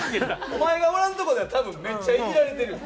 お前がおらんとこでは多分めっちゃイジられてるよ。